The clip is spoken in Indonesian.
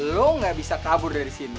lu gak bisa kabur dari sini